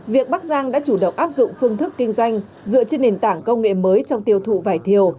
việc bắc giang đã chủ động áp dụng phương thức kinh doanh dựa trên nền tảng công nghệ mới trong tiêu thụ vải thiều